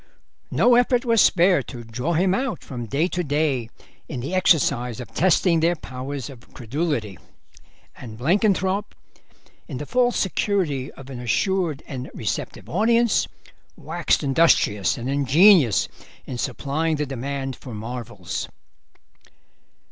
No effort was spared to draw him out from day to day in the exercise of testing their powers of credulity, and Blenkinthrope, in the false security of an assured and receptive audience, waxed industrious and ingenious in supplying the demand for marvels.